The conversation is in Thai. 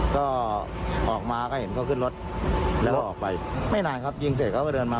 ก็ออกมาก็เห็นเขาขึ้นรถแล้วก็ออกไปไม่นานครับยิงเสร็จเขาก็เดินมา